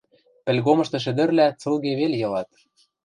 Пӹлгомышты шӹдӹрвлӓ цылге вел йылат.